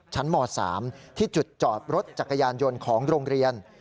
ม๓ที่จุดจอดรถจักรยานยนต์ของโรงเรียน